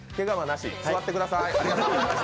座ってください。